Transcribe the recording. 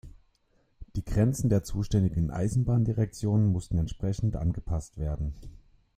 Die Grenzen der zuständigen Eisenbahndirektion mussten entsprechend angepasst werden.